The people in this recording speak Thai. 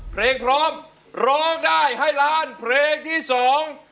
เพลงพร้อมร้องได้ให้ล้านเพลงที่สอง